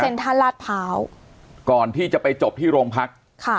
เป็นท่าลาดพร้าวก่อนที่จะไปจบที่โรงพักค่ะ